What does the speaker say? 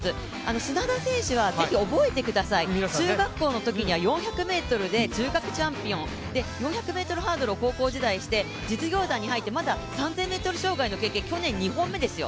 砂田選手はぜひ覚えてください中学校のときには４００ｍで中学チャンピオンで４００ｍハードルを高校時代にして実業団に入ってまだ３０００ｍ障害の経験、今回２本目ですよ。